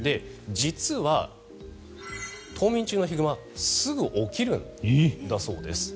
実は冬眠中のヒグマすぐ起きるんだそうです。